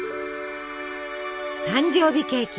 誕生日ケーキ。